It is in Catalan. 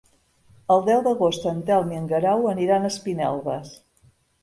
El deu d'agost en Telm i en Guerau aniran a Espinelves.